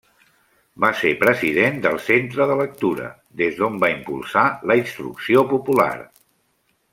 Va ser president del Centre de Lectura des d'on va impulsar la instrucció popular.